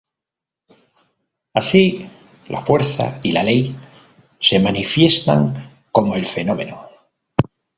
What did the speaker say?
Así, la fuerza y la ley se manifiestan como el fenómeno.